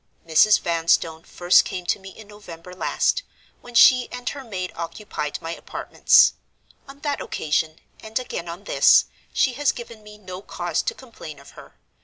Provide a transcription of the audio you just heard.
"Mrs. Vanstone first came to me in November last, when she and her maid occupied my apartments. On that occasion, and again on this, she has given me no cause to complain of her.